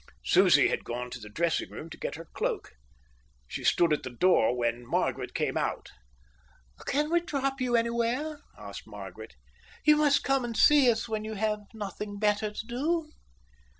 Susie had gone to the dressing room to get her cloak. She stood at the door when Margaret came out. "Can we drop you anywhere?" said Margaret. "You must come and see us when you have nothing better to do."